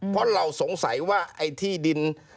เพราะเราสงสัยว่าไอ้ที่ดิน